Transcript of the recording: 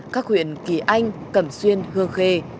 các huyện kỳ anh cẩm xuyên hương khê